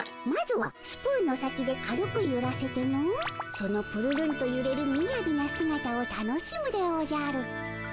まずはスプーンの先で軽くゆらせてのそのぷるるんとゆれるみやびなすがたを楽しむでおじゃる。